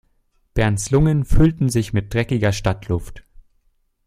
Bernds Lungen füllten sich mit dreckiger Stadtluft.